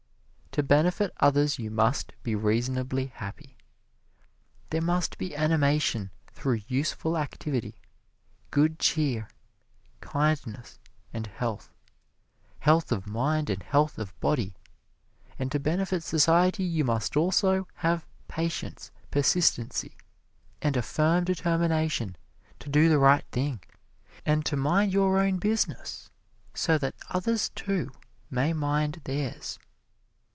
To benefit others, you must be reasonably happy: there must be animation through useful activity, good cheer, kindness and health health of mind and health of body. And to benefit society you must also have patience, persistency, and a firm determination to do the right thing, and to mind your own business so that others, too, may mind theirs.